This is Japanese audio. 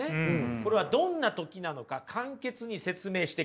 これはどんな時なのか簡潔に説明してください。